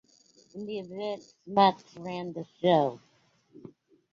In the event, Smuts ran the show.